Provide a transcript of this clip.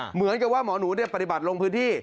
เหมือนกับว่าหมอหนูปฏิบัติลงพื้นที่